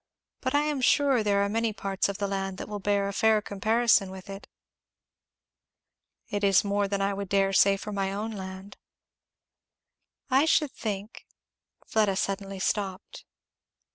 But I am sure there are many parts of the land that will bear a fair comparison with it." "It is more than I would dare say for my own land." "I should think " Fleda suddenly stopped.